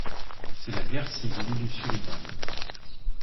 C'est la guerre civile du Suriname.